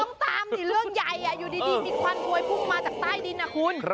ต้องตามดิเรื่องใหญ่อยู่ดีมีควันพวยพุ่งมาจากใต้ดินนะคุณ